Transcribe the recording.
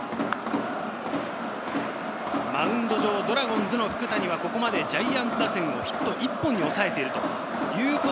マウンド上、ドラゴンズの福谷はここまでジャイアンツ打線をヒット１本に抑えています。